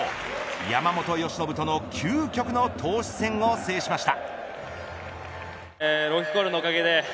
山本由伸との究極の投手戦を制しました。